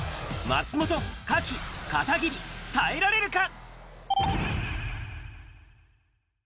松本、賀喜、片桐、耐えられるか？